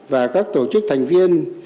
và các tổ chức thành viên